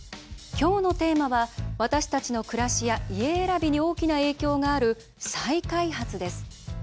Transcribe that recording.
今日のテーマは私たちの暮らしや家選びに大きな影響がある「再開発」です。